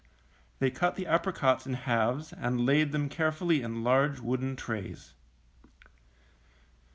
They cut the apricots in halves, and laid them care fully in large wooden trays.